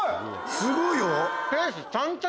すごいよ。